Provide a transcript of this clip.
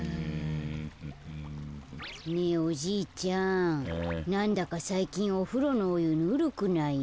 ねえおじいちゃんなんだかさいきんおふろのおゆぬるくない？